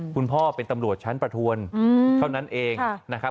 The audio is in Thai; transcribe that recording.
คุณพ่อเป็นตำรวจชั้นประทวนเท่านั้นเองนะครับ